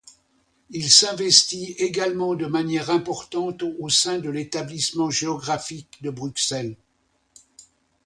Il s'investit également de manière importante au sein de l'Établissement géographique de Bruxelles.